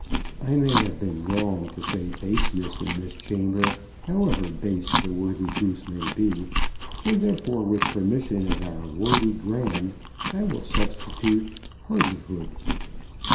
"I may have been wrong to say baseness in this chamber, however base the worthy Goose may be; and, therefore, with permission of our worthy Grand, I will substitute 'hardihood.'"